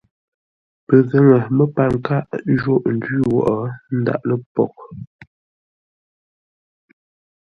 Pəgaŋə məpar kâʼ jôghʼ njwí wóghʼ ndáʼ lə poghʼ.